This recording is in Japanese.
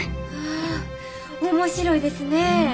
ああ面白いですね。